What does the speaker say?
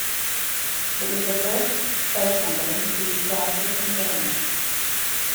It was the first spice company to use plastic containers.